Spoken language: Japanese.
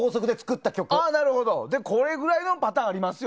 これぐらいのパターン